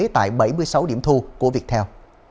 tại bảy mươi sáu điểm thu của việt theo